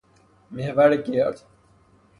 محور گرد